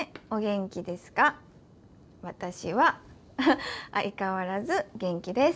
私は相変わらず元気です。